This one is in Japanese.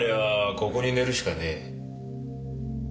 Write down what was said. ここに寝るしかねえ。